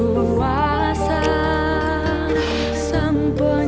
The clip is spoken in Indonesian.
ibu tenang ya ibu